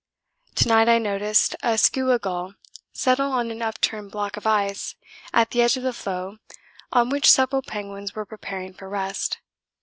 To night I noticed a skua gull settle on an upturned block of ice at the edge of the floe on which several penguins were preparing for rest.